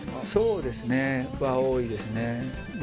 そうですねは多いですね